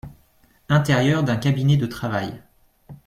Intérieur d’un cabinet de travail.